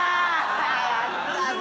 ・やったぜ！